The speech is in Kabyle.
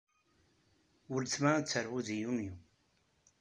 Weltma ad d-terbu deg Yunyu.